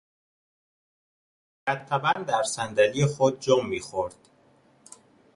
او مرتبا در صندلی خود جم میخورد.